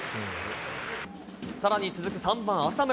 更に続く３番、浅村。